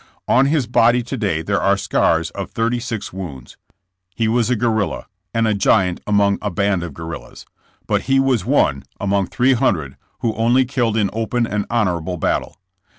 On his body to day there are scars of thirty six wounds. He was a guerrilla, and a giant among a band of guerrillas, but he was one among three hundred who only killed in open and honorable battle.